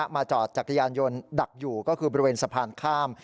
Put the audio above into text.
จอดจักรยานยนต์ดักอยู่ก็คือบริเวณสะพานข้าม